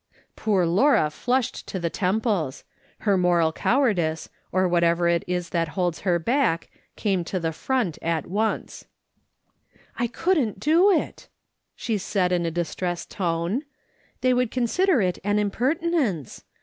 Poor Laura flushed to the temples. Her moral cowardice, or whatever it is that holds her back, came to the front at once. 72 A/ as. SOLOMON SMITH LOOKING ON. " I couldn't do it," she said in a distressed tone ;" they would consider it an impertinence.